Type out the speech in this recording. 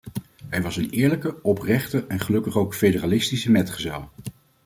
Hij was een eerlijke, oprechte en gelukkig ook federalistische metgezel.